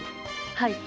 はい。